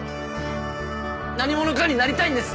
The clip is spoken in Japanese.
何者かになりたいんです